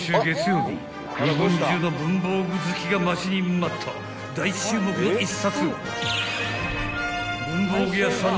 日本中の文房具好きが待ちに待った大注目の１冊］